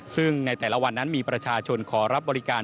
ซึ่งในแต่ละวันนั้นมีประชาชนขอรับบริการ